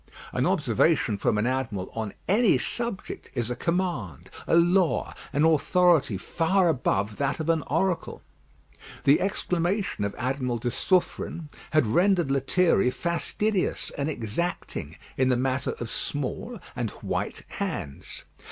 An observation from an admiral on any subject is a command, a law, an authority far above that of an oracle. The exclamation of Admiral de Suffren had rendered Lethierry fastidious and exacting in the matter of small and white hands.